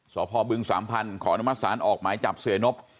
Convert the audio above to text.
พบึงสามพันธ์ขออนุมัติศาลออกหมายจับเสียนบ